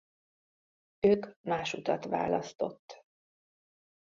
Ők más utat választott.